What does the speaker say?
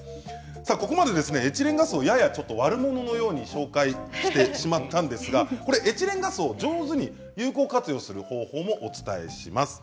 ここまでエチレンガスをやや悪者のように紹介してしまったんですがエチレンガスを上手に有効活用する方法をお伝えします。